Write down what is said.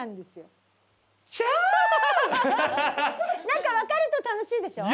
なんか分かると楽しいでしょ？